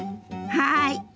はい。